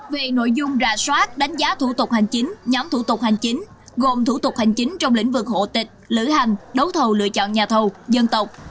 về nội dung ra soát đánh giá thủ tục hành chính nhóm thủ tục hành chính gồm thủ tục hành chính trong lĩnh vực hộ tịch lữ hành đấu thầu lựa chọn nhà thầu dân tộc